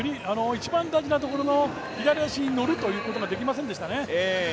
一番大事なところの左足に乗るってことができなかったですね。